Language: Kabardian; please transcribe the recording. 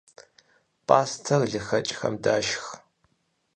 Пӏастэр лыхэкӏхэм дашх.